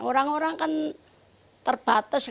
orang orang kan terbatas